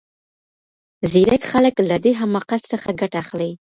ځیرک خلګ له دې حماقت څخه ګټه اخلي.